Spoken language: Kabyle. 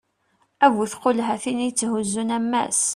d bu tqulhatin i yetthuzzun ammas